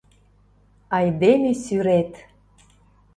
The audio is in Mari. Айдеме сӱрет!